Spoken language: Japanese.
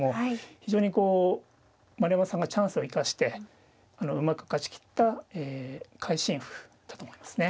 非常にこう丸山さんがチャンスを生かしてうまく勝ち切った会心譜だと思いますね。